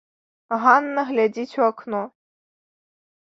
Ганна глядзіць у акно.